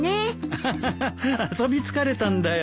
アハハ遊び疲れたんだよ。